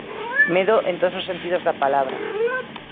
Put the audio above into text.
Medo en todos os sentidos da palabra.